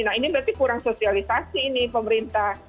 nah ini berarti kurang sosialisasi ini pemerintah